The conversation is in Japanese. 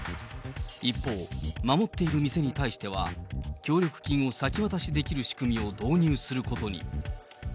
一方、守っている店に対しては、協力金を先渡しできる仕組みを導入することに。